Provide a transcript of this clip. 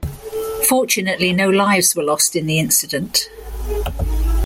Fortunately no lives were lost in the incident.